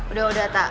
udah udah tak